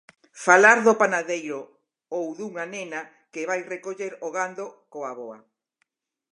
Falar do panadeiro ou dunha nena que vai recoller o gando coa avoa.